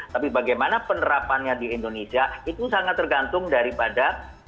tapi bagaimana penerapannya di indonesia itu sangat tergantung daripada